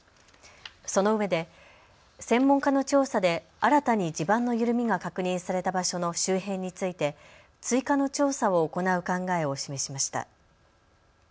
そのうえで専門家の調査で新たに地盤の緩みが確認された場所の周辺について追加の調査を行う考えを示しました。